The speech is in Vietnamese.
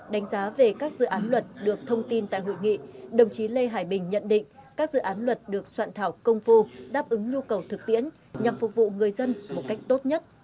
đánh giá về các dự án luật được thông tin tại hội nghị đồng chí lê hải bình nhận định các dự án luật được soạn thảo công phu đáp ứng nhu cầu thực tiễn nhằm phục vụ người dân một cách tốt nhất